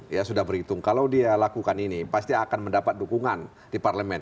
ya sudah berhitung kalau dia lakukan ini pasti akan mendapat dukungan di parlemen